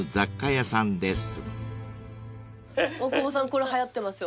大久保さんこれはやってますよ